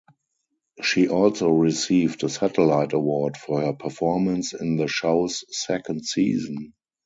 She also received a Satellite Award for her performance in the show's second season.